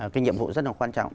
cái nhiệm vụ rất là quan trọng